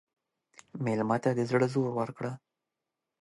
مېلمه ته د زړه زور ورکړه.